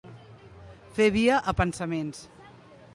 Fer via a pensaments.